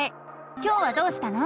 今日はどうしたの？